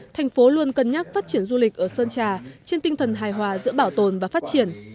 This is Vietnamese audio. thành phố luôn cân nhắc phát triển du lịch ở sơn trà trên tinh thần hài hòa giữa bảo tồn và phát triển